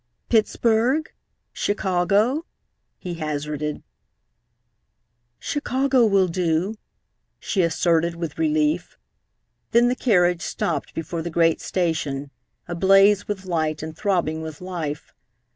"Pittsburg, Chicago?" he hazarded. "Chicago will do," she asserted with relief. Then the carriage stopped before the great station, ablaze with light and throbbing with life.